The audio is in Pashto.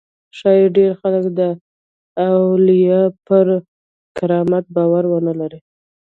ښایي ډېر خلک د اولیاوو پر کرامت باور ونه لري.